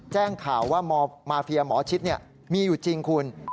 แจ้งข่าวว่ามาเฟียหมอชิดมีอยู่จริงคุณ